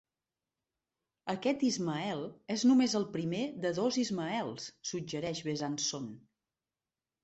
Aquest Ismael és només el primer de dos Ismaels, suggereix Bezanson.